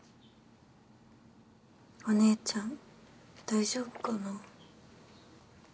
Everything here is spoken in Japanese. お姉ちゃん大丈夫かな。